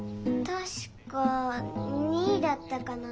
確か２位だったかな。